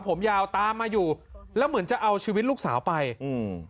ผมยาวตามมาอยู่แล้วเหมือนจะเอาชีวิตลูกสาวไปอืม